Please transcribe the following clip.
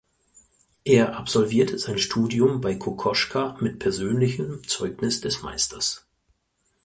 Er absolvierte sein Studium bei Kokoschka mit persönlichem Zeugnis des Meisters.